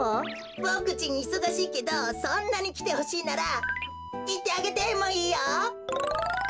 ぼくちんいそがしいけどそんなにきてほしいならいってあげてもいいよ！